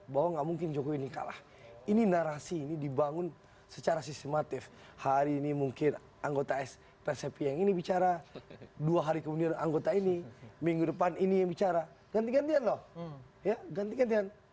bahwa nggak mungkin jokowi ini kalah ini narasi ini dibangun secara sistematis hari ini mungkin anggota sp yang ini bicara dua hari kemudian anggota ini minggu depan ini yang bicara ganti gantian loh ya ganti gantian